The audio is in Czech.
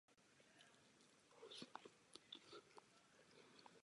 Veškeré návrhy budou potřebovat schválení členských států.